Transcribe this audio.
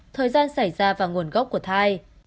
thời gian xảy ra và nguồn gốc của thai